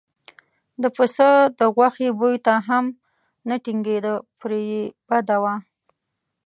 د پسه د غوښې بوی ته هم نه ټینګېده پرې یې بده وه.